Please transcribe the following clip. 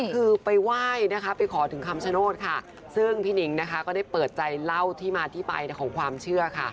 คือไปไหว้นะคะไปขอถึงคำชโนธค่ะซึ่งพี่หนิงนะคะก็ได้เปิดใจเล่าที่มาที่ไปของความเชื่อค่ะ